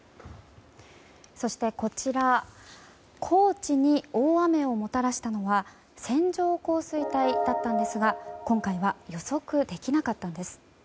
そして高知に大雨をもたらしたのは線状降水帯だったんですが今回は予測できなかったんです。